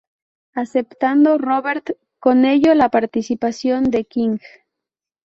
Aceptando, Robert, con ello la participación de King.